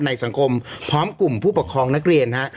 สังคมพร้อมกลุ่มผู้ปกครองนักเรียนฮะ